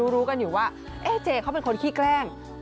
รู้กันอยู่ว่าเจเขาเป็นคนขี้แกล้ง